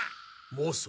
モソ。